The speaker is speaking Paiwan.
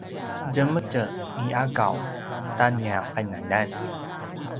djemetj i akaw ta nia qinaljan